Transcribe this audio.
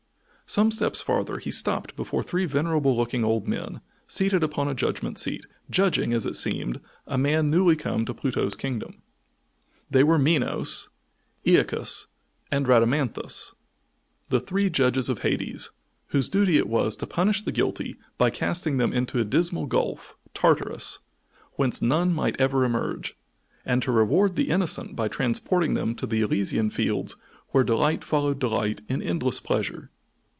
Some steps farther he stopped before three venerable looking old men, seated upon a judgment seat, judging, as it seemed, a man newly come to Pluto's kingdom. They were Minos, Æacus and Rhadamanthus, the three judges of Hades, whose duty it was to punish the guilty by casting them into a dismal gulf, Tartarus, whence none might ever emerge, and to reward the innocent by transporting them to the Elysian Fields where delight followed delight in endless pleasure.